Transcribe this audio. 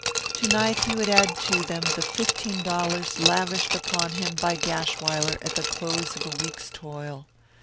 To night he would add to them the fifteen dollars lavished upon him by Gashwiler at the close of a week's toil.